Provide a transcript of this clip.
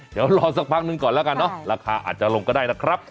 เดี๋ยวรอสักพักหนึ่งก่อนแล้วกันเนอะราคาอาจจะลงก็ได้นะครับ